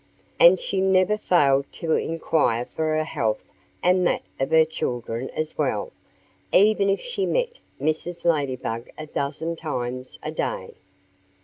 And she never failed to inquire for her health and that of her children as well, even if she met Mrs. Ladybug a dozen times a day.